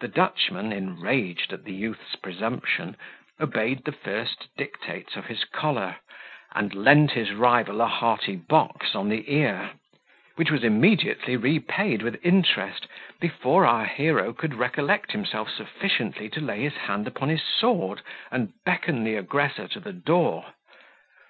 The Dutchman, enraged at the youth's presumption, obeyed the first dictates of his choler, and lent his rival a hearty box on the ear; which was immediately repaid with interest, before our hero could recollect himself sufficiently to lay his hand upon his sword, and beckon the aggressor to the door.